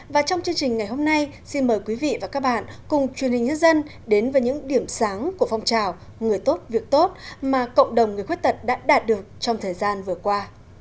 và trong chương trình ngày hôm nay xin mời quý vị và các bạn cùng truyền hình nhân dân đến với những điểm sáng của phong trào người tốt việc tốt mà cộng đồng người khuyết tật đã đạt được trong thời gian vừa qua